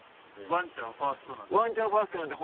ワンちゃんファーストなんで。